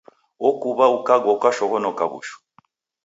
Okuw'a ukagwa ukashoghonoka w'ushu.